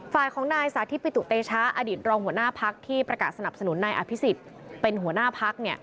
ฝ่ายของนายสาธิตปิตุเตชะอดีตรองหัวหน้าพักที่ประกาศสนับสนุนนายอภิษฎเป็นหัวหน้าพัก